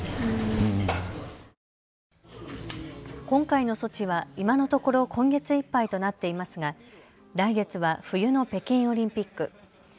今回の措置は今のところ今月いっぱいとなっていますが来月は冬の北京オリンピック。